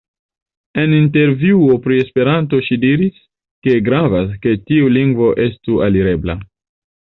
En intervjuo pri Esperanto ŝi diris, ke "gravas, ke tiu lingvo estu alirebla".